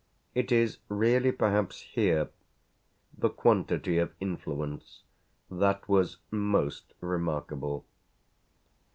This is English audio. It is really perhaps here the quantity of influence that was most remarkable.